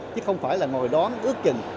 chứ không phải là ngồi đoán ước chừng